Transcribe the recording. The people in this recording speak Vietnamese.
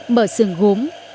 mở xưởng gốm